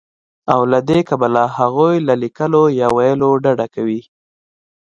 او له دې کبله هغوی له ليکلو يا ويلو ډډه کوي